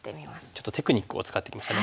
ちょっとテクニックを使ってきましたね。